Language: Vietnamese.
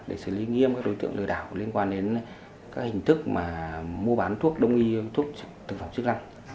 để xử lý nghiêm các đối tượng lừa đảo liên quan đến các hình thức mua bán thuốc đông y thuốc thực phẩm chức năng